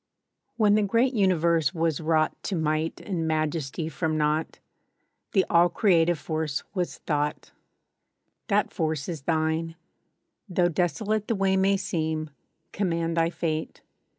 WHEN the great universe was wrought To might and majesty from naught, The all creative force was— Thought. That force is thine. Though desolate The way may seem, command thy fate.